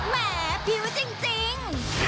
แหมผิวจริง